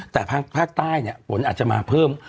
แต่ภาคใต้นะผลอาจจะมาเพิ่ม